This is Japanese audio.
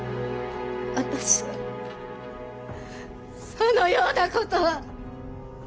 私はそのようなことは！